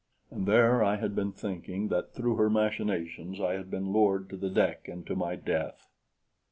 And there I had been thinking that through her machinations I had been lured to the deck and to my death!